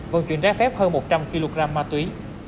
vận chuyển trái phép hơn một trăm linh kg ma túy